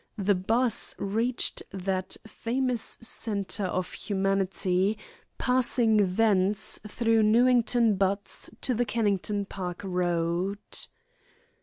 The 'bus reached that famous centre of humanity, passing thence through Newington Butts to the Kennington Park Road.